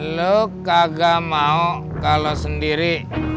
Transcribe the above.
lo kagak mau kalau sendiri